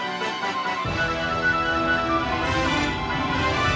หวังเพิ่งองค์พ่อตากสิ้นให้แฟนคืนถิ่นสงสาร